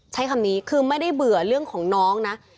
ใช้คำนี้คือไม่ได้เบื่อเรื่องของน้องนะ